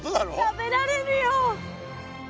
食べられるよ！